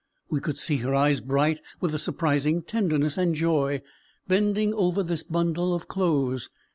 We could see her eyes bright with a surprising tenderness and joy, bending over this bundle of clothes.